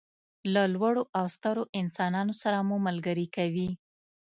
له لوړو او سترو انسانانو سره مو ملګري کوي.